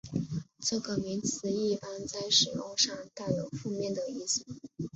这个名词一般在使用上带有负面的意思。